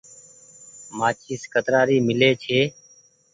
مآچيس ڪترآ ري ميلي ڇي۔